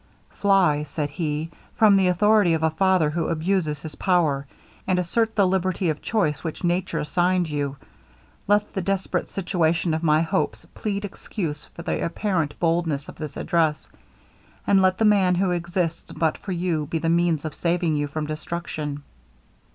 'Fly,' said he, 'from the authority of a father who abuses his power, and assert the liberty of choice, which nature assigned you. Let the desperate situation of my hopes plead excuse for the apparent boldness of this address, and let the man who exists but for you be the means of saving you from destruction.